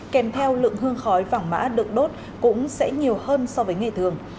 kèm theo lượng hương khói vàng mã được đốt cũng sẽ nhiều hơn so với ngày thường